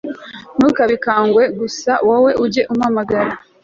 ntukabikangwe woe gusa ujye umpamagara